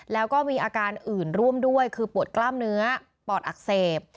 แล้วก็มีอาการอื่นร่วมด้วยคือปวดกล้ามเนื้อปอดอักเสบ